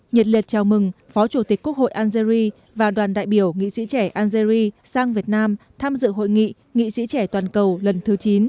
nhiệt liệt chào mừng phó chủ tịch quốc hội algeri và đoàn đại biểu nghị sĩ trẻ algeri sang việt nam tham dự hội nghị nghị sĩ trẻ toàn cầu lần thứ chín